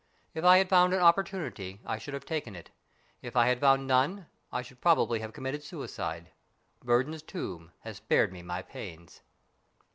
If I had found an oppor tunity I should have taken it. If I had found none I should probably have committed suicide. Burdon's tomb has spared me my pains."